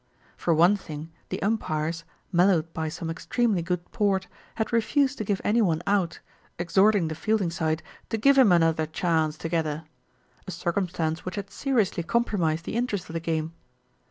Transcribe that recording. For one thing the umpires, mellowed by some ex tremely good port, had refused to give any one out, exhorting the fielding side to "give him another chance, together," a circumstance which had seriously compro mised the interest of the game.